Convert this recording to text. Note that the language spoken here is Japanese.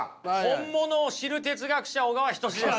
本物を知る哲学者小川仁志です。